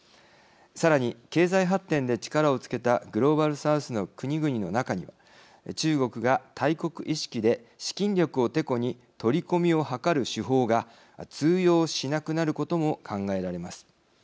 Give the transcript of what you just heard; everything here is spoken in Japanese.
さらに、経済発展で力をつけたグローバル・サウスの国々の中には中国が大国意識で資金力をてこに取り込みを図る手法が通用しなくなることも考えられます。